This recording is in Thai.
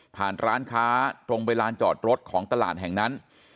ร้านค้าตรงไปลานจอดรถของตลาดแห่งนั้น